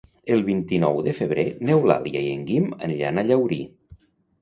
El vint-i-nou de febrer n'Eulàlia i en Guim aniran a Llaurí.